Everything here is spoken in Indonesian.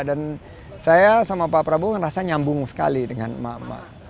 dan saya sama pak prabowo merasa nyambung sekali dengan emak emak